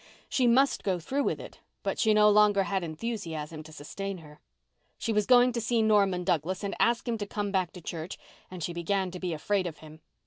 She must go through with it, but she no longer had enthusiasm to sustain her. She was going to see Norman Douglas and ask him to come back to church, and she began to be afraid of him.